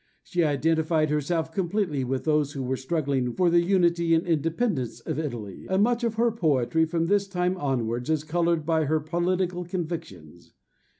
She identified herself completely with those who were struggling for the unity and independence of Italy, and much of her poetry from this time onwards is coloured by her political convictions.